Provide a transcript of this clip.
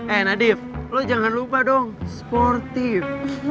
eh nadief lo jangan lupa dong sportif